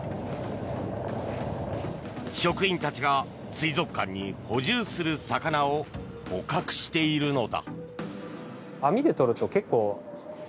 職員たちが水族館に補充する魚を捕獲しているのだ。